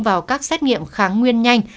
vào các xét nghiệm kháng nguyên nhanh